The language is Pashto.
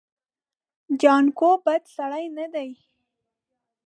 جانکو بد سړی نه دی.